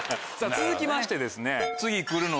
続きましてですね。